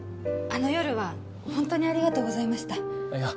あの夜はホントにありがとうございましたいや